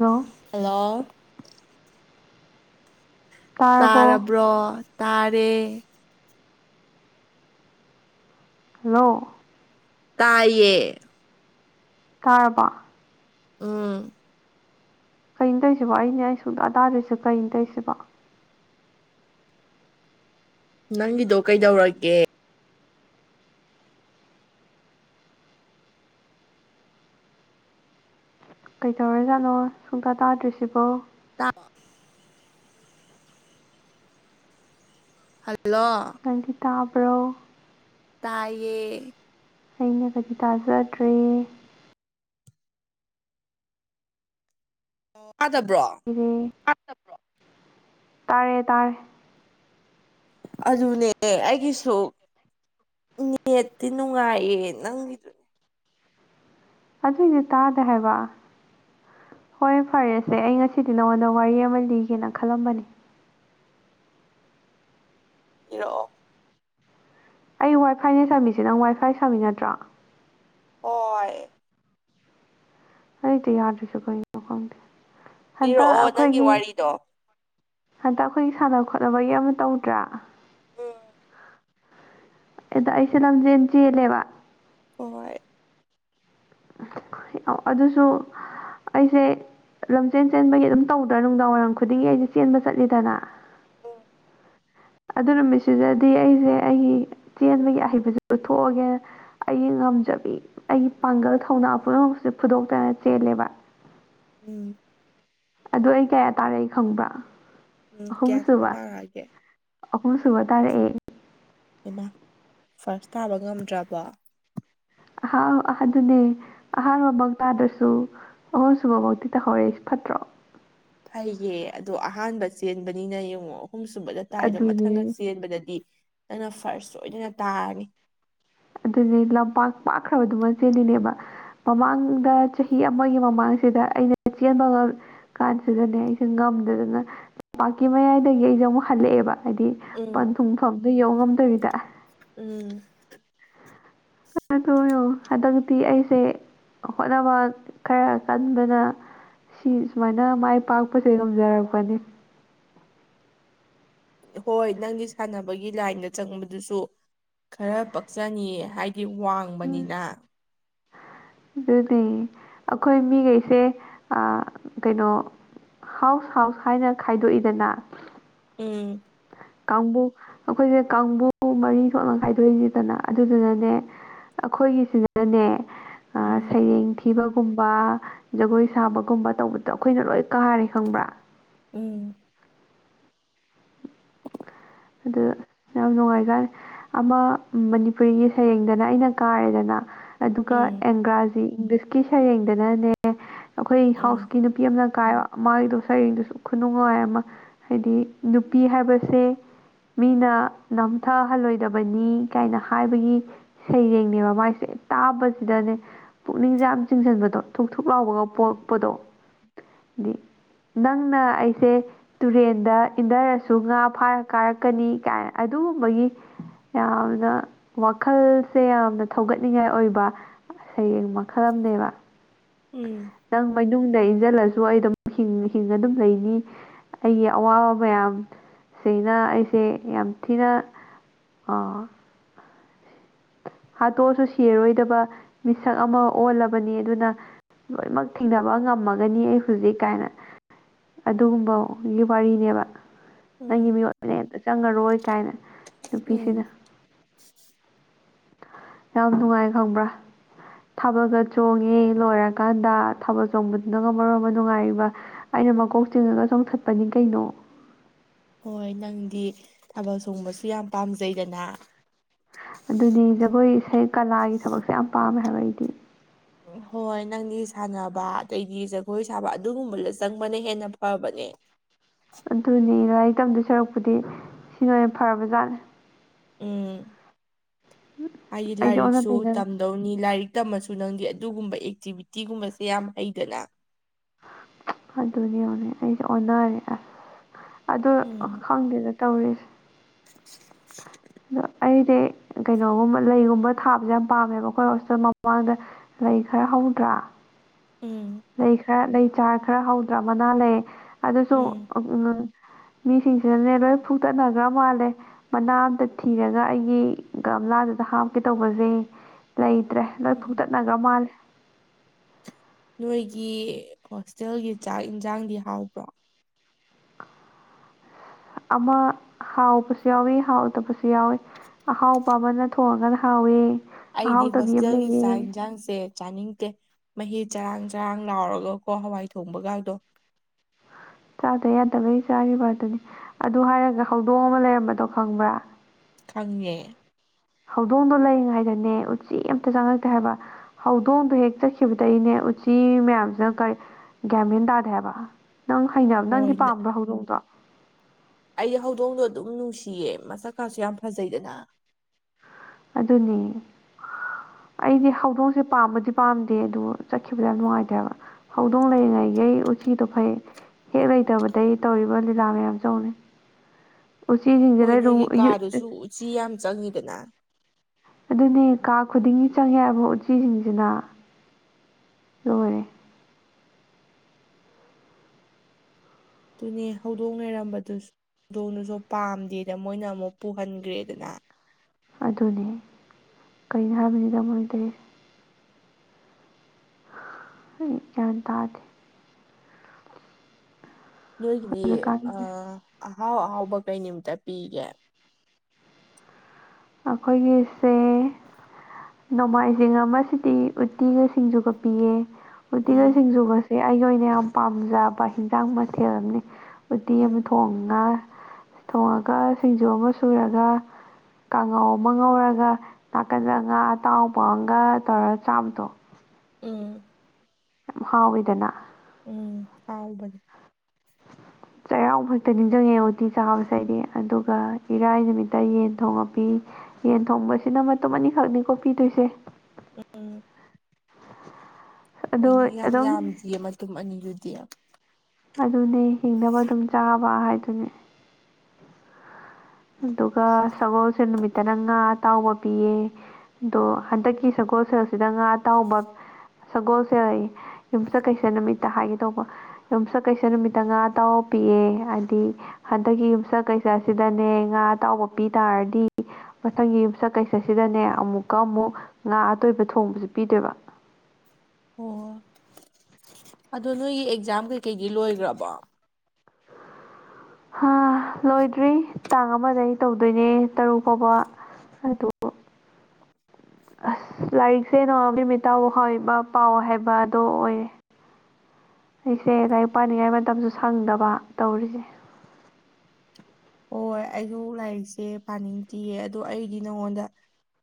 Hello hello ꯇꯥꯔꯕꯣ ꯇꯥꯔꯕ꯭ꯔꯣ ꯇꯥꯔꯦ ꯍꯜꯂꯣ ꯇꯥꯏꯌꯦ ꯇꯥꯔꯕꯣ ꯎꯝ ꯀꯩꯅꯣ ꯇꯧꯁꯤꯕꯣ ꯑꯩꯅꯦ ꯑꯩ ꯁꯨꯡꯗꯥ ꯇꯥꯗꯔꯤꯁꯦ ꯀꯩꯅꯣ ꯇꯧꯁꯤꯕ ꯅꯪꯒꯤꯗꯣ ꯀꯩꯗꯧꯔꯒꯦ ꯀꯩꯗꯧꯔꯦꯖꯥꯠꯅꯣ ꯁꯨꯡꯇꯥ ꯇꯥꯗ꯭ꯔꯤꯁꯤꯕꯣ ꯇꯕꯣ ꯍꯜꯂꯣ ꯅꯪꯗꯤ ꯇꯥꯕ꯭ꯔꯣ ꯇꯥꯏꯌꯦ ꯑꯩꯅ ꯀꯥꯗꯤ ꯇꯥꯖꯗ꯭ꯔꯦ ꯇꯥꯗꯕ꯭ꯔꯣ [unintelligible] ꯇꯥꯔꯦ ꯇꯥꯔꯦ ꯑꯗꯨꯅꯦ ꯑꯩꯒꯤꯁꯨ ꯅꯦꯠ ꯅꯨꯡꯉꯥꯏꯌꯦ ꯅꯪ ꯑꯗꯨꯏꯖꯨ ꯇꯥꯗꯦ ꯍꯥꯏꯕ ꯍꯣꯏ ꯐꯔꯦꯁꯦ ꯑꯩ ꯉꯁꯤꯗꯤ ꯅꯉꯣꯟꯗ ꯋꯥꯔꯤ ꯑꯃ ꯂꯤꯒꯦꯅ ꯈꯜꯂꯝꯕꯅꯦ ꯂꯤꯔꯛꯑꯣ ꯑꯩ ꯋꯥꯏ ꯐꯥꯏꯅꯦ ꯁꯥꯃꯤꯁꯦ ꯅꯪ ꯋꯥꯏ ꯐꯥꯏ ꯁꯥꯃꯤ ꯅꯠꯇ꯭ꯔꯣ ꯍꯣꯏ ꯑꯩꯗꯤ ꯌꯥꯗ꯭ꯔꯁꯨ ꯀꯔꯤꯅꯣ ꯈꯪꯗꯦ ꯍꯟꯗꯛ ꯂꯤꯔꯛꯑꯣ ꯅꯪꯒꯤ ꯑꯩꯈꯣꯏꯒꯤ ꯋꯥꯔꯤꯗꯣ ꯍꯟꯗꯛ ꯑꯩꯈꯣꯏꯒꯤ ꯁꯥꯟꯅ ꯈꯣꯠꯅꯕꯒꯤ ꯑꯃ ꯇꯧꯗ꯭ꯔꯥ ꯎꯝ ꯑꯗꯥ ꯑꯩꯁꯦ ꯂꯝꯖꯦꯜ ꯆꯦꯜꯂꯦꯕ ꯍꯣꯏ ꯑꯗꯨꯁꯨ ꯑꯩꯁꯦ ꯂꯝꯖꯦꯟ ꯆꯦꯟꯕꯒꯤ ꯑꯗꯨꯝ ꯇꯧꯗ꯭ꯔ ꯅꯨꯡꯗꯥꯡꯋꯥꯏꯔꯝ ꯈꯨꯗꯤꯡꯒꯤ ꯑꯩꯁꯦ ꯆꯦꯟꯕ ꯆꯠꯂꯤꯗꯅ ꯎꯝ ꯑꯗꯨ ꯅꯨꯃꯤꯠꯁꯤꯗꯗꯤ ꯑꯩꯁꯦ ꯑꯩꯒꯤ ꯆꯦꯟꯕꯒꯤ ꯑꯍꯩꯕꯁꯦ ꯎꯠꯊꯣꯛꯑꯒꯦ ꯑꯩꯒꯤ ꯉꯝꯖꯕꯤ ꯑꯩꯒꯤ ꯄꯥꯡꯒꯜ ꯊꯧꯅꯥ ꯄꯨꯝꯅꯃꯛꯁꯦ ꯐꯨꯗꯣꯛꯇꯅ ꯆꯦꯜꯂꯦꯕ꯫ ꯎꯝ ꯑꯗꯨ ꯑꯩ ꯀꯌꯥ ꯇꯥꯔꯛꯏ ꯈꯪꯕ꯭ꯔꯥ꯫ ꯎꯝ ꯀꯌꯥ ꯁꯨꯕ ꯇꯥꯔꯛꯑꯒꯦ ꯑꯍꯨꯝꯁꯨꯕ-ꯑꯍꯨꯝꯁꯨꯕ ꯇꯔꯛꯑꯦ꯫ ꯏꯃꯥ ꯐꯥꯔꯁ ꯇꯥꯕ ꯉꯝꯗ꯭ꯔꯕꯣ꯫ ꯑꯍꯥ ꯑꯗꯨꯅꯦ ꯑꯍꯥꯟꯕ ꯁꯨꯕ ꯇꯥꯗ꯭ꯔꯁꯨ ꯑꯍꯨꯝꯁꯨꯨꯕ ꯃꯨꯛꯇꯤ ꯇꯥꯍꯧꯔꯦ ꯐꯠꯇ꯭ꯔꯣ꯫ ꯐꯩꯌꯦ ꯑꯗꯣ ꯑꯍꯥꯟꯕ ꯆꯦꯟꯕꯅꯤꯅ ꯌꯦꯡꯉꯣ꯫ ꯑꯍꯨꯝꯁꯨꯨꯕꯗ ꯇꯥꯏꯗꯣ ꯃꯊꯪꯒ ꯑꯗꯨꯅꯦ ꯆꯦꯟꯕꯗꯗꯤ ꯅꯪꯅ ꯐꯥꯔꯁ ꯁꯣꯏꯗꯅ ꯇꯥꯔꯅꯤ꯫ ꯑꯗꯨꯅꯦ ꯂꯝꯄꯥꯛ ꯄꯥꯛꯈ꯭ꯔꯕꯗꯨꯃꯥ ꯆꯦꯜꯂꯤꯅꯦꯕ꯫ ꯃꯃꯥꯡꯗ ꯆꯍꯤ ꯑꯃꯒꯤ ꯃꯃꯥꯡꯁꯤꯗ ꯑꯩꯅ ꯆꯦꯟꯕ꯫ ꯀꯥꯟꯁꯤꯗꯅꯦ ꯑꯩꯁꯦ ꯉꯝꯗꯗꯅ ꯇꯝꯄꯥꯛꯀꯤ ꯃꯌꯥꯏꯗꯒꯤ ꯑꯩꯁꯦ ꯑꯃꯨꯛ ꯍꯜꯂꯛꯑꯦꯕ꯫ ꯍꯥꯏꯗꯤ ꯎꯝ ꯄꯟꯊꯨꯡꯐꯝꯗꯣ ꯌꯧ ꯉꯝꯗꯕꯤ꯫ ꯎꯝ꯫ ꯇꯧꯌꯣ [inaudible] ꯍꯟꯗꯛꯇꯤ ꯑꯩꯁꯦ꯫ ꯍꯣꯠꯅꯕ ꯈꯔ ꯀꯟꯕꯗ꯫ ꯁꯤ ꯁꯨꯃꯥꯏꯅ ꯃꯥꯏ ꯄꯥꯛꯄꯁꯦ ꯉꯝꯖꯔꯛꯄꯅꯤ꯫ ꯍꯣꯏ ꯅꯪꯗꯤ ꯁꯥꯟꯅꯕꯒꯤ ꯂꯥꯏꯟꯗ ꯆꯪꯕꯗꯨꯁꯨ ꯈꯔ ꯄꯛꯆꯅꯤꯌꯦ ꯍꯥꯏ꯫ ꯕꯗꯤ ꯎꯝ. ꯋꯥꯡꯕꯅꯤꯅ꯫ ꯑꯗꯨꯅꯦ ꯑꯩꯈꯣꯏ ꯃꯤꯈꯩꯁꯦ ꯀꯩꯅꯣ꯫ ꯍꯥꯎꯁ-ꯍꯥꯎꯁ ꯍꯥꯏꯅ ꯈꯥꯏꯗꯣꯛꯏꯗꯅ꯫ ꯎꯝ꯫ ꯀꯥꯡꯕꯨ ꯑꯩꯈꯣꯏꯁꯦ ꯀꯥꯡꯕꯨ ꯃꯔꯤ ꯊꯣꯛꯅ ꯈꯥꯏꯗꯣꯛꯏꯁꯤꯗꯅ ꯑꯗꯨꯗꯨꯅꯅꯦ꯫ ꯑꯩꯈꯣꯏꯒꯤꯁꯤꯅꯅꯦ꯫ ꯎꯝ ꯁꯩꯔꯦꯡ ꯊꯤꯕꯒꯨꯝꯕ ꯖꯒꯣꯏ ꯁꯥꯕꯒꯨꯝꯕ ꯇꯧꯕꯗꯣ ꯑꯩꯈꯣꯏꯅ ꯂꯣꯏ꯫ ꯀꯥꯔꯦ ꯈꯪꯕ꯭ꯔ꯫ ꯎꯝ ꯑꯗꯨ ꯌꯥꯝ ꯅꯨꯡꯉꯥꯏꯖꯠꯅꯤ ꯑꯃ ꯃꯅꯤꯄꯨꯔꯤꯒꯤ ꯁꯩꯔꯦꯡꯗꯅ ꯑꯩꯅ ꯀꯥꯔꯦꯗꯅ꯫ ꯑꯗꯨꯒ ꯎꯝ ꯑꯦꯡꯒ꯭ꯔꯥꯖꯤ ꯏꯪꯂꯤꯁꯀꯤ ꯁꯩꯔꯦꯡꯗꯅꯅꯦ ꯑꯩꯈꯣꯏ ꯎꯝ ꯍꯥꯎꯁꯀꯤ ꯅꯨꯄꯤ ꯑꯃꯅ꯫ ꯀꯥꯏꯕ ꯃꯥꯒꯤꯗꯣ ꯁꯩꯔꯦꯡꯗꯨꯁꯨ ꯈꯨꯅꯨꯡꯉꯥꯏ ꯑꯃ ꯍꯥꯏꯗꯤ ꯅꯨꯄꯤ ꯍꯥꯏꯕꯁꯦ꯫ ꯃꯤꯅ ꯅꯝꯊꯍꯜꯂꯣꯏꯗꯕꯅꯤ ꯀꯥꯏꯅ ꯍꯥꯏꯕꯒꯤ ꯁꯩꯔꯦꯡꯅꯦꯕ ꯃꯥꯏꯁꯦ꯫ ꯇꯥꯕꯁꯤꯗꯅꯦ ꯄꯨꯛꯅꯤꯡꯁꯦ ꯌꯥꯝ ꯆꯤꯡꯁꯤꯟꯕꯗꯣ ꯊꯨꯛ-ꯊꯨꯛ ꯂꯥꯎꯕꯒ ꯄꯣꯛꯄꯗꯣ꯫ ꯅꯪꯅ ꯑꯩꯁꯦ ꯇꯨꯔꯦꯟꯗ ꯏꯟꯊꯔꯁꯨ ꯉꯥ ꯐꯥꯔꯛ꯫ ꯀꯥꯔꯛꯀꯅꯤ ꯀꯥꯏꯅ ꯑꯗꯨꯒꯨꯝꯕꯒꯤ꯫ ꯌꯥꯝꯅ ꯋꯥꯈꯜꯁꯦ ꯌꯥꯝꯅ ꯊꯧꯒꯠꯅꯤꯡꯉꯥꯏ ꯑꯣꯏꯕ꯫ ꯁꯩꯔꯦꯡ ꯃꯈꯜ ꯑꯃꯅꯦꯕ ꯎꯝ ꯅꯪ ꯃꯩꯅꯨꯡ꯫ ꯗ ꯏꯟꯁꯤꯜꯂꯁꯨ ꯑꯩ ꯑꯗꯨꯝ ꯍꯤꯡ-ꯍꯤꯡꯉ ꯑꯗꯨꯝ ꯂꯩꯅꯤ ꯑꯩꯒꯤ ꯑꯋꯥꯕ ꯃꯌꯥꯝ꯫ ꯁꯩꯔꯦꯡ ꯑꯩꯁꯦ ꯌꯥꯝ ꯊꯤꯅ ꯑꯥ꯫ ꯍꯥꯠꯇꯣꯛꯑꯁꯨ ꯁꯤꯔꯣꯏꯗꯕ ꯃꯤꯁꯛ ꯑꯃ ꯑꯣꯜꯂꯕꯅꯤ ꯑꯗꯨꯅ꯫ ꯂꯣꯏꯅꯃꯛ ꯊꯦꯡꯅꯕ ꯉꯝꯃꯒꯅꯤ ꯑꯩ ꯍꯧꯖꯤꯛ ꯀꯥꯏꯅ꯫ ꯑꯗꯨꯒꯨꯝꯕꯒꯤ ꯋꯥꯔꯤꯅꯦꯕ꯫ ꯅꯪꯒꯤ ꯎꯝ ꯃꯤꯑꯣꯠ-ꯃꯤꯅꯩ ꯑꯃꯇ ꯆꯪꯉꯔꯣꯏ ꯀꯥꯏꯅ꯫ ꯎꯝ꯫ ꯅꯨꯄꯤꯁꯤꯅ ꯌꯥꯝ ꯅꯨꯡꯉꯥꯏ ꯈꯪꯕ꯭ꯔꯥ꯫ ꯊꯥꯕꯜꯒ ꯆꯣꯡꯉꯦ ꯂꯣꯏꯔꯀꯥꯟꯗ ꯊꯥꯕꯜ ꯆꯣꯡꯕꯗꯨꯅꯒ ꯃꯔꯣꯟ ꯑꯃ ꯅꯨꯡꯉꯥꯏꯔꯤꯕ꯫ ꯑꯩꯅ ꯃꯀꯣꯛ ꯆꯤꯡꯉꯒ ꯆꯣꯡꯊꯠꯄꯅꯤ ꯀꯩꯅꯣ꯫ ꯍꯣꯏ ꯅꯪꯗꯤ ꯊꯥꯕꯜ ꯆꯣꯡꯕꯁꯨ ꯌꯥꯝ ꯄꯥꯝꯖꯩꯗꯅ꯫ ꯑꯗꯨꯅꯤ ꯖꯒꯣꯏ ꯏꯁꯩ ꯀꯥꯂꯥꯒꯤ ꯊꯕꯛꯁꯦ ꯌꯥꯝ ꯄꯥꯝꯃꯦ ꯍꯥꯏꯕ ꯑꯩꯗꯤ꯫ ꯍꯣꯏ ꯅꯪꯗꯤ ꯁꯥꯟꯅꯕ ꯑꯗꯩꯗꯤ ꯖꯒꯣꯏ ꯁꯥꯕ ꯑꯗꯨꯒꯨꯝꯕꯗ ꯆꯪꯕꯅ ꯍꯦꯟꯅ ꯐꯕꯅꯦ꯫ [inaudible] ꯑꯗꯨꯅꯤ ꯂꯥꯏꯔꯤꯛ ꯇꯝꯗꯣ ꯁꯔꯨꯛꯄꯨꯗꯤ ꯁꯤꯅ ꯑꯣꯏꯅ ꯐꯔꯕꯖꯥꯠꯅꯦ꯫ ꯎꯝ ꯑꯩꯒꯤ ꯑꯩꯁꯦ ꯑꯣꯟꯅ ꯂꯥꯏꯔꯤꯛꯁꯨ ꯇꯩꯅꯔꯦ ꯇꯝꯗꯧꯅꯤ ꯂꯥꯏꯔꯤꯛ꯫ ꯇꯝꯃꯁꯨ ꯅꯪꯗꯤ ꯑꯗꯨꯒꯨꯝꯕ ꯑꯦꯛꯇꯤꯚꯤꯇꯤꯒꯨꯝꯕꯁꯦ ꯌꯥꯝ ꯍꯩꯗꯅ꯫ ꯑꯗꯨꯅꯦꯕ ꯑꯩꯁꯦ ꯑꯣꯟꯅꯔꯦ ꯑꯁ ꯑꯗꯨ ꯎꯝ ꯈꯪꯗꯦꯗ꯫ ꯇꯧꯔꯦ ꯑꯗꯣ ꯑꯩꯗꯤ ꯀꯩꯅꯣꯒꯨꯝꯕ ꯂꯩꯒꯨꯝꯕ ꯊꯥꯕꯁꯦ ꯌꯥꯝ ꯄꯥꯝꯃꯦꯕ ꯑꯩꯈꯣꯏ ꯍꯣꯁꯇꯦꯜ ꯃꯃꯥꯡꯗ ꯂꯩ ꯈꯔ ꯍꯧꯗ꯭ꯔ ꯎꯝ ꯂꯩ ꯈꯔ ꯂꯩ ꯆꯥꯔ ꯈꯔ ꯍꯧꯗ꯭ꯔꯥ ꯃꯅꯥ ꯂꯩ ꯑꯗꯨꯁꯨ ꯎꯝ ꯃꯤꯁꯤꯡꯁꯤꯅꯅꯦ ꯂꯣꯏ ꯐꯨꯛꯇꯠꯅꯈ꯭ꯔ ꯃꯥꯜꯂꯦ ꯃꯅꯥ ꯑꯃꯇ ꯊꯤꯔꯒ ꯑꯩꯒꯤ ꯀꯪꯂꯒꯝꯂꯥꯗꯨꯗ ꯍꯥꯞꯀꯦ ꯇꯧꯕꯁꯦ ꯂꯩꯇ꯭ꯔꯦ ꯂꯣꯏ ꯎꯝ ꯐꯨꯛꯇꯠꯅꯈ꯭ꯔ ꯃꯥꯜꯂꯦ ꯑꯩꯈꯣꯏꯒꯤ ꯍꯣꯁꯇꯦꯜꯒꯤ ꯆꯥꯛ ꯌꯦꯟꯁꯥꯡꯗꯤ ꯍꯥꯎꯕ꯭ꯔꯣ ꯑꯃ ꯍꯥꯎꯕꯁꯨ ꯌꯥꯎꯋꯤ ꯍꯥꯎꯗꯕꯁꯨ ꯌꯥꯎꯋꯤ ꯑꯍꯥꯎꯕ ꯑꯃꯅ ꯊꯣꯛꯣꯡꯑꯒ ꯍꯥꯎꯋꯦ ꯑꯩꯗꯤ ꯍꯣꯁꯇꯦꯜꯒꯤ ꯆꯥꯛ ꯌꯦꯟꯁꯥꯡꯁꯦ ꯆꯥꯅꯤꯡꯗꯦ ꯃꯍꯤ ꯆꯔꯥꯡ ꯆꯔꯥꯡ ꯂꯥꯎꯔꯒꯀꯣ ꯍꯋꯥꯏ ꯊꯣꯡꯕꯒꯗꯣ ꯆꯥꯗ ꯌꯥꯗꯕꯒꯤ ꯆꯥꯔꯤꯕ ꯑꯗꯨꯅꯤ ꯑꯗꯨ ꯍꯥꯏꯔꯒ ꯍꯧꯗꯣꯡ ꯑꯃ ꯂꯩꯔꯝꯕꯗꯣ ꯈꯪꯕ꯭ꯔꯥ ꯈꯪꯉꯦ ꯍꯧꯗꯣꯡꯗꯣ ꯂꯩꯔꯤꯉꯥꯏꯗꯅꯦ ꯎꯆꯦꯛ ꯑꯃꯝꯇ ꯆꯪꯉꯛꯇꯦ ꯍꯥꯏꯕ ꯍꯧꯗꯣꯡꯗꯣ ꯍꯦꯛ ꯆꯠꯈꯤꯕꯗ ꯑꯩꯅꯦ ꯎꯆꯤ ꯃꯌꯥꯝꯁꯤꯅ ꯀꯔꯤ ꯒ꯭ꯌꯥꯟ ꯃꯦꯟ ꯇꯥꯗꯦꯕ ꯅꯪ ꯍꯩꯅꯕ ꯅꯪꯒꯤ ꯍꯣꯏ ꯄꯥꯝꯕ ꯍꯧꯗꯣꯡꯗꯣ ꯑꯩꯗꯤ ꯍꯧꯗꯣꯡꯗꯣ ꯑꯗꯨꯝ ꯅꯨꯡꯁꯤꯌꯦ ꯃꯁꯛ ꯀꯥꯁꯨ ꯌꯥꯝ ꯐꯖꯩꯗꯅ ꯑꯗꯨꯅꯤ ꯑꯩꯗꯤ ꯍꯧꯗꯣꯡꯁꯦ ꯄꯥꯝꯕꯗꯤ ꯄꯥꯝꯗꯦ ꯑꯗꯨ ꯆꯠꯈꯤꯕꯗ ꯌꯥꯝ ꯅꯨꯡꯉꯥꯏꯇꯦ ꯍꯥꯏꯕ ꯍꯧꯗꯣꯡ ꯂꯩꯔꯤꯉꯩꯒꯩ ꯎꯆꯤꯗꯣ ꯐꯩ ꯍꯦꯛ ꯂꯩꯇꯕꯗꯩ ꯇꯧꯔꯤꯕ ꯂꯤꯂꯥ ꯃꯌꯥꯝꯁꯦ ꯌꯦꯡꯎꯅꯦ ꯎ ꯍꯣꯏ ꯎꯆꯤꯁꯤꯡꯁꯤꯅ ꯔꯨꯝ ꯅꯣꯏꯒꯤ ꯌꯨ ꯀꯥꯗꯨꯁꯨ ꯎꯆꯤ ꯌꯥꯝ ꯆꯪꯉꯤꯗꯅ ꯑꯗꯨꯅꯦ ꯀꯥ ꯈꯨꯗꯤꯡꯒꯤ ꯆꯪꯉꯦ ꯍꯥꯏꯕ ꯎꯆꯤꯁꯤꯡꯁꯤꯅ [unintelligible] ꯑꯗꯨꯅꯦ ꯍꯧꯗꯣꯡ ꯂꯩꯔꯝꯕꯗꯨꯁꯨ ꯗꯣꯡꯗꯨꯁꯨ ꯄꯥꯝꯗꯦꯗ ꯃꯣꯏꯅ ꯑꯃꯨꯛ ꯄꯨꯍꯟꯒꯔ꯭ꯦ ꯗꯅ ꯑꯗꯨꯅꯦ ꯀꯩꯅꯣ ꯍꯥꯏꯕꯅꯤꯗꯥ ꯃꯣꯏ ꯇꯧꯏ ꯒꯌ꯭ꯥꯟ ꯇꯥꯗꯦ ꯅꯣꯏꯒꯤꯗꯤ ꯑꯍꯥꯎ ꯑꯍꯥꯎꯕ ꯀꯩ ꯅꯨꯃꯤꯠꯇ ꯄꯤꯒꯦ ꯑꯩꯈꯣꯏꯒꯤꯁꯦ ꯅꯣꯡꯃꯥꯏꯖꯤꯡ ꯑꯃꯁꯤꯗꯤ ꯎꯇꯤꯒ ꯁꯤꯡꯖꯨꯒ ꯄꯤꯌꯦ ꯎꯝ ꯎꯇꯤꯒ ꯁꯤꯡꯖꯨꯒꯁꯦ ꯑꯩꯒꯤ ꯑꯣꯏꯅ ꯌꯥꯝ ꯄꯥꯝꯖꯕ ꯍꯤꯟꯖꯥꯡ ꯃꯊꯦꯜ ꯑꯃꯅꯤ ꯎꯇꯤ ꯎꯝ ꯑꯃ ꯊꯣꯡꯉ ꯊꯣꯉꯒ ꯁꯤꯡꯖꯨ ꯑꯃ ꯁꯨꯔꯒ ꯀꯥꯡꯉꯧ ꯑꯃ ꯉꯧꯔꯒ ꯅꯥꯀꯟꯗ ꯉꯥ ꯑꯇꯥꯎꯕ ꯑꯃꯒ ꯇꯧꯔꯒ ꯆꯥꯕꯗꯣ ꯎꯝ ꯌꯥꯝ ꯍꯥꯎꯋꯤꯗꯅ ꯎꯝ ꯇꯥꯎꯕꯅꯦ ꯆꯩꯔꯥꯎ ꯈꯛꯇ ꯅꯤꯡꯖꯪꯉꯦ ꯎꯇꯤ ꯆꯥꯕꯁꯦ ꯑꯩꯗꯤ ꯑꯗꯨꯒ ꯏꯔꯥꯏ ꯅꯨꯃꯤꯠꯇ ꯌꯦꯟ ꯊꯣꯡꯉ ꯄꯤ꯫ ꯌꯦꯟ ꯊꯣꯡꯕꯁꯤꯅ ꯃꯇꯨꯝ ꯑꯅꯤꯈꯛꯅꯤꯀꯣ ꯄꯤꯗꯣꯏꯁꯦ ꯎꯝ ꯑꯗꯣ ꯀꯩꯅꯣ ꯌꯥꯝ ꯑꯗꯨꯝ ꯌꯥꯝꯗꯤꯌꯦ ꯃꯇꯨꯝ ꯑꯅꯤꯗꯨꯗꯤ ꯑꯗꯨꯅꯦ ꯍꯤꯡꯅꯕ ꯑꯗꯨꯝ ꯆꯥꯕ ꯍꯥꯏꯗꯨꯅꯦ ꯑꯗꯨꯒ ꯁꯒꯣꯜꯁꯦꯜ ꯅꯨꯃꯤꯠꯇꯅ ꯉꯥ ꯑꯇꯥꯎꯕ ꯄꯤꯌꯦ ꯑꯗꯣ ꯍꯟꯗꯛꯀꯤ ꯁꯒꯣꯜꯁꯦꯜꯁꯤꯗ ꯉꯥ ꯑꯇꯥꯎꯕ ꯇꯥꯎ ꯁꯒꯣꯜꯁꯦꯜ ꯑꯌꯦ ꯌꯨꯝꯁꯀꯩꯁ ꯅꯨꯃꯤꯠꯇ ꯍꯥꯏꯒꯦ ꯇꯧꯕ ꯌꯨꯝꯁꯀꯩꯁ ꯅꯨꯃꯤꯠꯇ ꯉꯥꯇꯥꯎ ꯄꯤꯌꯦ ꯍꯥꯏꯗꯤ ꯍꯟꯗꯛꯀꯤ ꯌꯨꯝꯁ ꯀꯩꯁꯁꯤꯗꯅꯦ ꯉꯥ ꯑꯇꯥꯎꯕ ꯄꯤ ꯇꯥꯔꯗꯤ ꯃꯊꯪꯒꯤ ꯌꯨꯝꯁꯀꯩꯁ ꯁꯤꯗꯅꯦ ꯑꯃꯨꯛꯀ ꯑꯃꯨꯛ ꯉꯥ ꯑꯇꯣꯏꯕ ꯊꯣꯡꯕꯁꯨ ꯄꯤꯗꯣꯏꯕ [unintelligible] ꯑꯣ ꯑꯗꯣ ꯅꯣꯏꯒꯤ ꯑꯦꯛꯖꯥꯝ ꯀꯩꯀꯩꯒꯤ ꯂꯣꯏꯒꯔ꯭ ꯕꯣ ꯍꯥ ꯂꯣꯏꯗ꯭ꯔꯤ ꯇꯥꯡ ꯑꯃꯗꯩꯩ ꯇꯧꯗꯣꯏꯅꯦ ꯇꯔꯨꯛ ꯐꯥꯎꯕ ꯑꯗꯨ ꯑꯁ ꯂꯥꯏꯔꯤꯛꯁꯦ ꯅꯣꯡꯉꯥꯟꯕꯗꯒꯤ ꯅꯨꯃꯤꯠ ꯇꯥꯕꯨꯛ ꯄꯥꯎ ꯍꯥꯏꯕꯗꯣ ꯑꯣꯏꯌꯦ ꯑꯩꯁꯦ ꯂꯥꯏꯔꯤꯛ ꯄꯥꯅꯤꯡꯉꯥꯏ ꯃꯇꯝꯁꯨ ꯁꯪꯗꯕ ꯇꯧꯔꯤꯁꯦ ꯍꯣꯏ ꯑꯩꯁꯨ ꯂꯥꯏꯔꯤꯛꯁꯦ ꯄꯥꯅꯤꯡꯗꯤꯌꯦ ꯑꯗꯣ ꯑꯩꯗꯤ ꯅꯉꯣꯟꯗ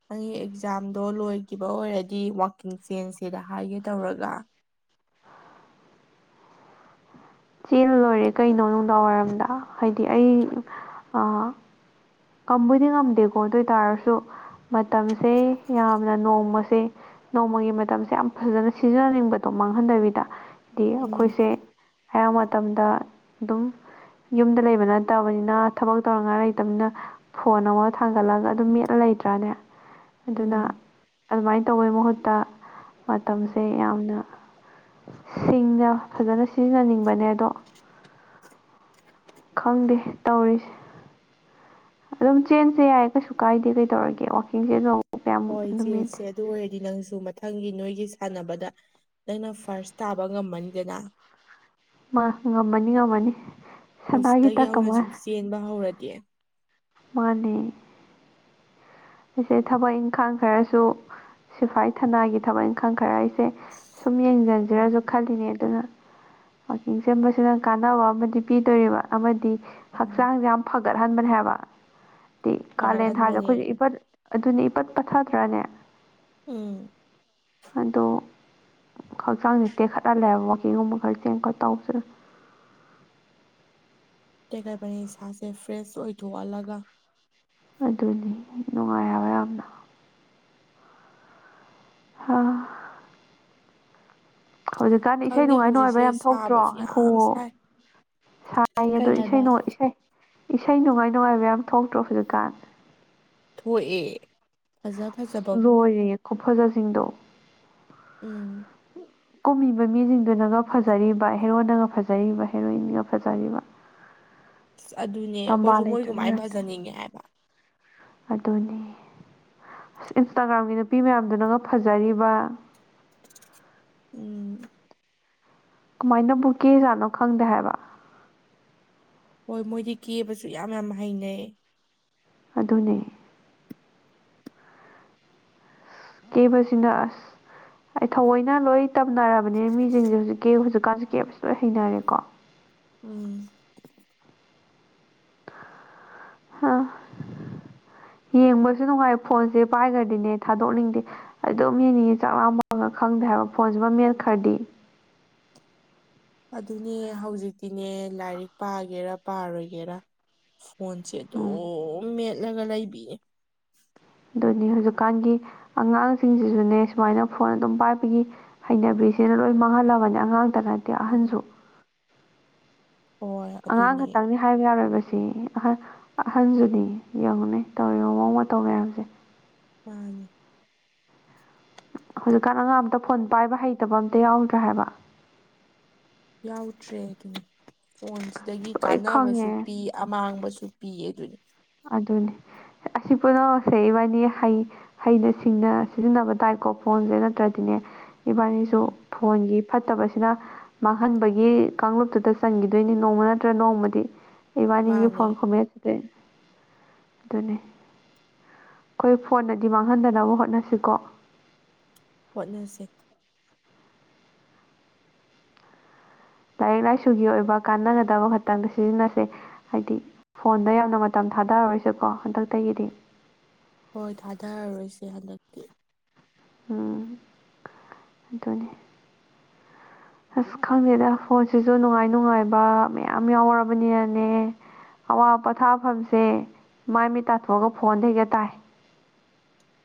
ꯅꯪꯒꯤ ꯑꯦꯛꯖꯥꯝꯗꯣ ꯂꯣꯏꯈꯤꯕ ꯑꯣꯏꯔꯗꯤ ꯋꯥꯀꯤꯡ ꯆꯦꯟꯁꯤꯗ ꯍꯥꯏꯒꯦ ꯇꯧꯔꯒ ꯆꯦꯜꯂ ꯂꯣꯏꯔꯦ ꯀꯩꯅꯣ ꯅꯨꯡꯗꯥꯡꯋꯥꯏꯔꯝꯗ ꯍꯥꯏꯗꯤ ꯑꯩ ꯀꯝꯕꯨꯗꯤ ꯉꯝꯗꯦꯀꯣ ꯑꯗꯣꯏ ꯇꯥꯔꯁꯨ ꯃꯇꯝꯁꯦ ꯌꯥꯝꯅ ꯅꯣꯡꯃꯁꯦ ꯅꯣꯡꯃꯒꯤ ꯃꯇꯝꯁꯦ ꯌꯥꯝ ꯐꯖꯅ ꯁꯤꯖꯤꯟꯅꯅꯤꯡꯕꯗꯣ ꯃꯥꯡꯍꯟꯗꯕꯤꯗ ꯗꯤ ꯎꯝ ꯑꯩꯈꯣꯏꯁꯦ ꯑꯌꯥꯝ ꯃꯇꯝꯗ ꯑꯗꯨꯝ ꯌꯨꯝꯗ ꯂꯩꯕ ꯅꯠꯇꯕꯅꯤꯅ ꯊꯕꯛ ꯇꯧꯅꯉꯥꯏ ꯂꯩꯇꯕꯅꯤꯅ ꯐꯣꯟ ꯑꯃ ꯊꯥꯡꯒꯠꯂꯒ ꯑꯗꯨꯝ ꯃꯦꯠꯂ ꯂꯩꯇ꯭ꯔꯥꯅꯦ ꯑꯗꯨꯅ ꯎꯝ ꯑꯗꯨꯃꯥꯏꯅ ꯇꯧꯕꯩ ꯃꯍꯨꯠꯇ ꯎꯝ ꯃꯇꯝꯁꯦ ꯌꯥꯝꯅ ꯁꯤꯡꯅ ꯐꯖꯅ ꯁꯤꯖꯤꯟꯅꯅꯤꯡꯕꯅꯦ ꯑꯗꯣ ꯈꯪꯗꯦ ꯇꯧꯔꯤꯁꯦ ꯑꯗꯨꯝ ꯆꯦꯟꯁꯦ ꯌꯥꯏ ꯀꯩꯁꯨ ꯀꯥꯏꯗꯦ ꯀꯩ ꯇꯧꯔꯒꯦ ꯋꯥꯀꯤꯡꯁꯦ ꯑꯗꯨ ꯍꯣꯏ ꯆꯦꯡꯁꯦ ꯑꯗꯨ ꯑꯣꯏꯔꯗꯤ ꯅꯪꯁꯨ ꯃꯊꯪꯒꯤ ꯅꯣꯏꯒꯤ ꯒꯤ ꯁꯥꯟꯅꯕꯗ ꯅꯪꯅ ꯐꯥꯔꯁ ꯇꯥꯕ ꯉꯝꯃꯅꯤꯗꯅ ꯃꯥ ꯉꯝꯃꯅꯤ ꯉꯝꯃꯅꯤ ꯁꯅꯥꯒꯤ ꯍꯧꯖꯤꯛꯇꯒꯤ ꯇꯛ ꯍꯧꯅ ꯑꯃ ꯁꯨꯝ ꯆꯦꯟꯕ ꯍꯧꯔꯗꯤ ꯃꯥꯅꯦ ꯑꯩꯁꯦ ꯊꯕꯛ ꯏꯪꯈꯥꯡ ꯈꯔꯁꯨ ꯁꯤꯐꯥꯏ ꯊꯅꯥꯒꯤ ꯊꯕꯛ ꯏꯪꯈꯥꯡ ꯈꯔ ꯑꯩꯁꯦ ꯁꯨꯝ ꯎꯝ ꯌꯦꯡꯖꯟꯁꯤꯔꯁꯨ ꯈꯜꯂꯤꯅꯦ ꯑꯗꯨꯅ ꯋꯥꯛꯀꯤꯡ ꯁꯦꯝꯕꯁꯤꯅ ꯀꯥꯟꯅꯕ ꯑꯃꯗꯤ ꯄꯤꯗꯣꯔꯤꯕ ꯑꯃꯗꯤ ꯎꯝ ꯍꯛꯆꯥꯡꯁꯦ ꯌꯥꯝ ꯐꯒꯠꯍꯟꯕꯅꯦ ꯍꯥꯏꯕꯗꯤ ꯀꯥꯂꯦꯟ ꯊꯥꯁꯦ ꯐꯒꯠꯍꯟꯕꯅꯦ ꯑꯩꯈꯣꯏꯁꯦ ꯏꯐꯠ ꯑꯗꯨꯅꯦ ꯏꯄꯠ ꯄꯠꯊꯥꯗ꯭ꯔꯥꯅꯦ ꯎꯝ ꯑꯗꯣ ꯍꯛꯆꯥꯡꯁꯦ ꯇꯦꯛꯈꯠꯍꯜꯂꯦꯕ ꯋꯥꯛꯀꯤꯡꯒꯨꯝꯕ ꯈꯔ ꯆꯦꯡ ꯈꯔ ꯇꯧꯕꯁꯤꯗ [inaudible] ꯇꯦꯀꯔꯄꯅꯤ ꯁꯥꯥꯁꯦ ꯐ꯭ꯔꯦꯁ ꯑꯣꯏꯊꯣꯛ ꯑꯂꯒ ꯑꯗꯨꯅꯤ ꯅꯨꯡꯉꯥꯏꯕ ꯌꯥꯝꯅ ꯑ ꯍꯧꯖꯤꯛꯀꯥꯟ ꯏꯁꯩ ꯈꯪꯗꯦ ꯅꯨꯡꯉꯥꯏ ꯅꯨꯡꯉꯥꯏꯕ ꯍꯧꯖꯤꯛꯁꯦ ꯌꯥꯝ ꯊꯣꯛꯇ꯭ꯔꯣ ꯁꯥꯕꯁꯨ ꯑꯩꯈꯨ ꯌꯥꯝ ꯁꯥꯏ ꯁꯥꯏ ꯑꯗꯣ ꯀꯩ ꯍꯥꯏꯕ ꯏꯁꯩꯅꯣ ꯏꯁꯩ ꯏꯁꯩ ꯅꯨꯡꯉꯥꯏ ꯅꯨꯡꯉꯥꯏꯕ ꯌꯥꯝ ꯊꯣꯛꯇ꯭ꯔꯣ ꯍꯧꯖꯤꯛꯀꯥꯟ ꯊꯣꯛꯑꯦ ꯐꯖ ꯐꯖꯕꯀꯣ ꯂꯣꯏꯔꯦ ꯈꯨꯐꯖꯁꯤꯡꯗꯣ ꯎꯝ ꯀꯨꯝꯃꯤꯕ ꯃꯤꯁꯤꯡꯗꯨꯅꯒ ꯐꯖꯔꯤꯕ ꯍꯦꯔꯣꯅꯒ ꯐꯖꯔꯤꯕ ꯍꯦꯔꯣꯏꯟꯒ ꯐꯖꯔꯤꯕ ꯑꯁ ꯑꯗꯨꯅꯦ ꯇꯝꯕꯥ ꯑꯩꯈꯣꯏꯁꯨ ꯃꯣꯏ ꯀꯃꯥꯏꯅ ꯐꯖꯅꯤꯡꯉꯦ ꯍꯥꯏꯕ ꯑꯗꯨꯅꯦ ꯑꯁ ꯏꯟꯁꯇꯥꯒ꯭ꯔꯥꯝꯒꯤ ꯅꯨꯄꯤ ꯃꯌꯥꯝꯗꯨꯅꯒ ꯐꯖꯔꯤꯕ ꯎꯝ ꯀꯃꯥꯏꯅꯕꯨ ꯀꯦꯖꯥꯠꯅꯣ ꯈꯪꯗꯦ ꯍꯥꯏꯕ ꯍꯣꯏ ꯃꯣꯏꯗꯤ ꯀꯦꯕꯁꯨ ꯌꯥꯝ ꯌꯥꯝ ꯍꯩꯅꯩ ꯑꯗꯨꯅꯦ ꯀꯦꯕꯁꯤꯅ ꯑꯁ ꯑꯩ ꯊꯑꯣꯏꯅ ꯂꯣꯏ ꯇꯝꯅꯔꯕꯅꯦ ꯃꯤꯁꯤꯡꯁꯦ ꯍꯧꯖꯤꯛ ꯀꯦ ꯍꯧꯖꯤꯛ ꯀꯀꯥꯁꯦ ꯀꯦꯞꯁꯦ ꯂꯣꯏ ꯍꯩꯅꯔꯦꯀꯣ ꯎꯝ ꯍꯥ [unintelligible] ꯌꯦꯡꯕꯁꯨ ꯅꯨꯡꯉꯥꯏ ꯐꯣꯟꯁꯦ ꯄꯥꯏꯈ꯭ꯔꯗꯤꯅꯦ ꯊꯥꯗꯣꯛꯅꯤꯡꯗꯦ ꯑꯗꯨꯝ ꯌꯦꯡꯅꯤꯡꯉꯤ ꯆꯥꯛ ꯂꯥꯃꯒ ꯈꯪꯗꯦ ꯍꯥꯏ ꯐꯣꯟꯖꯕ ꯃꯦꯠ ꯈꯔꯗꯤ ꯑꯗꯨꯅꯦ ꯍꯧꯖꯤꯛꯇꯤꯅꯦ ꯂꯥꯏꯔꯤꯛ ꯄꯥꯒꯦꯔꯥ ꯄꯥꯔꯣꯏꯒꯦꯔꯥ ꯐꯣꯟꯁꯦ ꯎꯝ ꯑꯗꯨꯝ ꯃꯦꯠꯂꯒ ꯂꯩꯕꯤꯌꯦ ꯑꯗꯨꯅꯤ ꯍꯧꯖꯤꯛꯀꯥꯟꯗꯤ ꯑꯉꯥꯡꯁꯤꯡꯁꯤꯁꯨꯅꯦ ꯁꯨꯃꯥꯏꯅ ꯐꯣꯟ ꯑꯗꯨꯝ ꯄꯥꯏꯕꯒꯤ ꯍꯩꯅꯕꯤꯁꯤꯅ ꯂꯣꯏ ꯃꯥꯡꯍꯜꯂꯕꯅꯤ ꯑꯉꯥꯡꯇ ꯅꯠꯇꯦ ꯎꯝ ꯑꯍꯟꯁꯨ ꯍꯣꯏ ꯑꯉꯥꯡ ꯑꯗꯨꯅꯦ ꯈꯛꯇꯪꯅꯤ ꯍꯥꯏꯕ ꯌꯥꯔꯣꯏꯕ ꯑꯍꯟ ꯑꯍꯟꯖꯨꯅꯤ ꯌꯦꯡꯉꯨꯅꯦ ꯇꯧꯔꯤꯕ ꯃꯑꯣꯡ ꯃꯇꯧ ꯃꯌꯥꯝꯁꯦ ꯃꯅꯤ ꯍꯧꯖꯤꯛꯀꯥꯟ ꯑꯉꯥꯡ ꯑꯝꯇ ꯐꯣꯟ ꯄꯥꯏꯕ ꯍꯩꯇꯕ ꯑꯝꯇ ꯌꯥꯎꯗ꯭ꯔꯦ ꯍꯥꯏꯕ ꯌꯥꯎꯗ꯭ꯔꯦ ꯑꯗꯨꯝ ꯐꯣꯟꯁꯤꯗꯒꯤ ꯂꯣꯏ ꯀꯥꯟꯅꯕꯁꯨ ꯈꯪꯉꯦ ꯄꯤ ꯑꯃꯥꯡꯕꯁꯨ ꯄꯤꯌꯦ ꯗꯨꯅꯤ ꯑꯗꯨꯅꯤ ꯑꯁꯤ ꯄꯨꯝꯅꯃꯛꯁꯦ ꯏꯕꯥꯅꯤ ꯍꯩ ꯍꯩꯅ ꯁꯤꯡꯅ ꯁꯤꯖꯤꯟꯅꯕ ꯇꯥꯏꯀꯣ ꯐꯣꯟꯁꯦ ꯅꯠꯇ꯭ꯔꯗꯤꯅꯦ ꯏꯕꯥꯅꯤꯁꯨ ꯎꯝ ꯐꯣꯟꯒꯤ ꯐꯠꯇꯕꯁꯤꯅ ꯃꯥꯡꯍꯟꯕꯒꯤ ꯀꯥꯡꯂꯨꯞꯇꯨꯗ ꯆꯟꯈꯤꯗꯣꯏꯅꯤ ꯅꯣꯡꯃ ꯅꯠꯇ꯭ꯔ ꯅꯣꯡꯃꯗꯤ ꯏꯕꯥꯅꯤꯒꯤ ꯃꯥꯅꯦ ꯐꯣꯟ ꯈꯨꯃꯦꯠꯁꯦ ꯑꯗꯨꯅꯤ ꯑꯩꯈꯣꯏ ꯐꯣꯟꯅꯗꯤ ꯃꯥꯡꯍꯟꯗꯅꯕ ꯍꯣꯠꯅꯁꯤꯀꯣ ꯍꯣꯠꯅꯁꯤ ꯂꯥꯏꯔꯤꯛ ꯂꯥꯏꯁꯨꯒꯤ ꯑꯣꯏꯕ ꯀꯥꯟꯅꯒꯗꯕ ꯈꯇꯪꯗ ꯁꯤꯖꯤꯟꯅꯁꯦ ꯍꯥꯏꯗꯤ ꯐꯣꯟꯗ ꯌꯥꯝꯅ ꯃꯇꯝ ꯊꯥꯗꯔꯔꯣꯏꯁꯦꯀꯣ ꯍꯟꯗꯛꯇꯒꯤꯗꯤ ꯍꯣꯏ ꯊꯥꯗꯔꯔꯣꯏꯁꯦ ꯍꯟꯗꯛꯇꯤ ꯎꯝ ꯑꯗꯨꯅꯦ ꯑꯁ ꯈꯪꯗꯦꯗ ꯐꯣꯟꯁꯤꯁꯨ ꯅꯨꯡꯉꯥꯏ ꯅꯨꯡꯉꯥꯏꯕ ꯃꯌꯥꯝ ꯌꯥꯎꯔꯕꯅꯤꯅꯅꯦ ꯑꯋꯥ ꯄꯣꯊꯥꯐꯝꯁꯦ ꯃꯥꯏ ꯃꯤꯠ ꯇꯥꯊꯣꯛꯑꯒ ꯐꯣꯟꯗ ꯍꯦꯛꯇ ꯇꯥꯏ